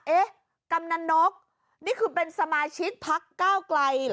เอ๊ะกำนันนกนี่คือเป็นสมาชิกพักก้าวไกลเหรอ